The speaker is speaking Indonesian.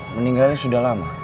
meninggalnya sudah lama